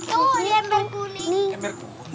oh di ember kuning